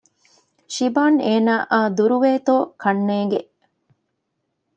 ޝިބާން އޭނާއާ ދުރުވޭތޯ ކަންނޭނގެ